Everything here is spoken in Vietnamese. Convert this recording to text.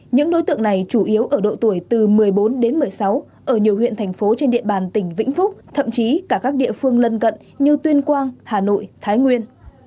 những đối tượng này chủ yếu ở độ tuổi từ một mươi bốn đến một mươi sáu ở nhiều huyện thành phố trên địa bàn tỉnh vĩnh phúc thậm chí cả các địa phương lân cận như tuyên quang hà nội thái nguyên